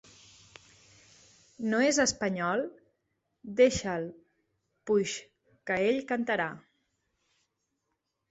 No és espanyol? Deixa'l puix, que ell cantarà.